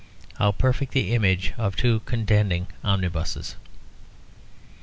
How perfect the image of two contending omnibuses!"